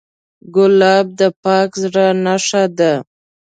ګلاب د پاک زړه نښه ده.